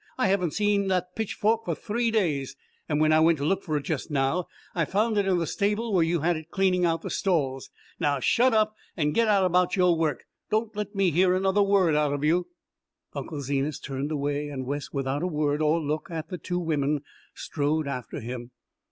I haven't even seen that pitchfork for three days, and when I went to look for it just now I found it in the stable where you'd had it cleaning out the stalls. Now shut up and get out about your work! Don't let me hear another word out of you!" Unc' Zenas turned away and Wes, without a word or look at the two women, strode after him.